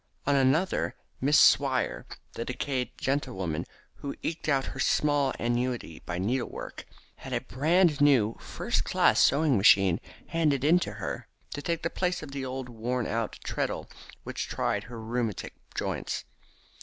On another, Miss Swire, the decayed gentlewoman who eked out her small annuity by needlework, had a brand new first class sewing machine handed in to her to take the place of the old worn out treadle which tried her rheumatic joints.